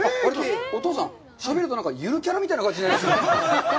お父さん、しゃべるとなんかゆるキャラみたいな感じになりますね。